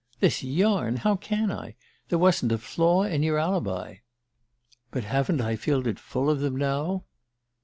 "This yarn how can I? There wasn't a flaw in your alibi." "But haven't I filled it full of them now?"